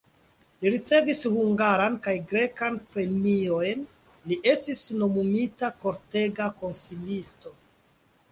Li ricevis hungaran kaj grekan premiojn, li estis nomumita kortega konsilisto.